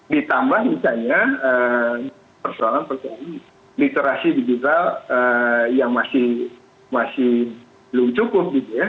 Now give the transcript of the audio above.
ditambah misalnya persoalan persoalan literasi digital yang masih belum cukup gitu ya